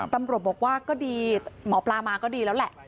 ตำรวจบอกว่าก็ดีหมอปลามาก็ดีแล้วแหละ